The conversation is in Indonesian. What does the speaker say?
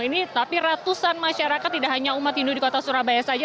ini tapi ratusan masyarakat tidak hanya umat hindu di kota surabaya saja